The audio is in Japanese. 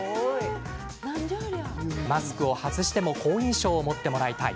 マスクを外しても、好印象を持ってもってもらいたい。